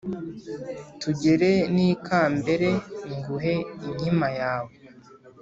tugere n’ikambere nguhe inkima yawe